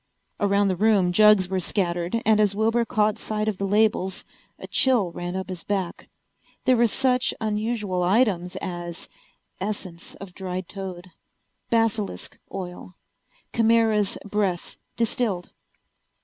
Around the room jugs were scattered, and as Wilbur caught sight of the labels a chill ran up his back. There were such unusual items as Essence of Dried Toad, Basilisk Oil, Chimera's Breath Distilled.